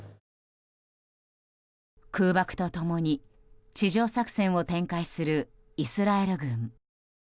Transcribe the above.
空爆と共に地上作戦を展開するイスラエル軍。